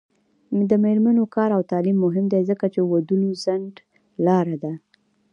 د میرمنو کار او تعلیم مهم دی ځکه چې ودونو ځنډ لاره ده.